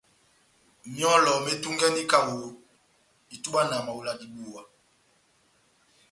Myɔ́lɔ metungɛndini kaho itubwa na mawela dibuwa.